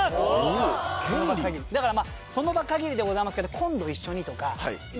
だからその場限りでございますけど「今度一緒に」とか「いつかやってね」